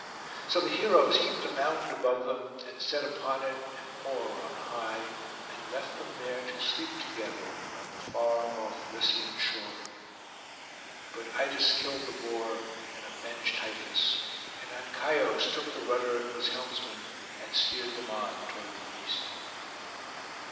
So the heroes heaped a mound above them, and set upon it an oar on high, and left them there to sleep together, on the far off Lycian shore. But Idas killed the boar, and avenged Tiphys; and Ancaios took the rudder and was helmsman, and steered them on toward the east.